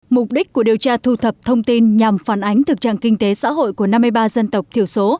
mục đích của điều tra thu thập thông tin nhằm phản ánh thực trạng kinh tế xã hội của năm mươi ba dân tộc thiểu số